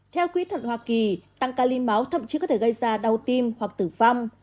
theo quỹ thận hoa kỳ tăng cali máu thậm chí có thể gây ra đau tim hoặc tử vong